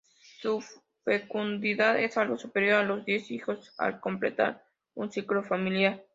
Su fecundidad es algo superior a los diez hijos al completar su ciclo familiar.